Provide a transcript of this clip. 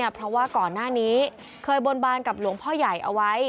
เพราะว่าก่อนหน้านี้เคยบนบานกับหลวงพ่อใหญ่เอาไว้